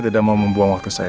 gue dekat ke rumahnya